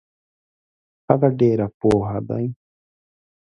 هغه ډیر پوه دی.